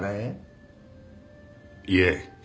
いえ。